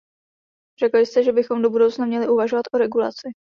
Řekl jste, že bychom do budoucna měli uvažovat o regulaci.